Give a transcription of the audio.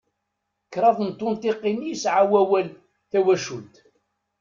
Kraḍ n tunṭiqin i yesɛa wawal "tawacult".